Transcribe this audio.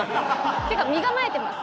っていうか身構えてます。